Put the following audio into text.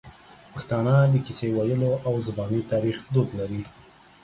پښتانه د کیسې ویلو او زباني تاریخ دود لري.